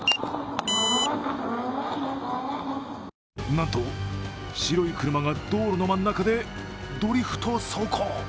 なんと白い車が道路の真ん中でドリフト走行。